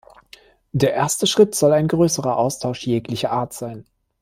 Der erste Schritt soll ein größerer Austausch jeglicher Art sein.